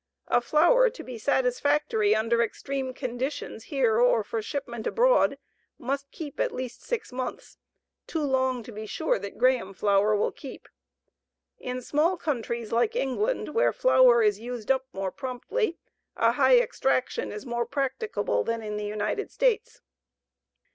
A flour to be satisfactory under extreme conditions here or for shipment abroad must keep at least six months too long to be sure that Graham flour will keep. In small countries like England, where flour is used up more promptly, a high extraction is more practicable than in the United States.